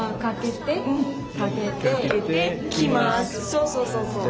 そうそうそうそう。